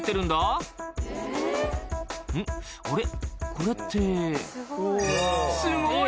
これってすごい！